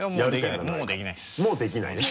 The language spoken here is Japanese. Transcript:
いやもうできないです。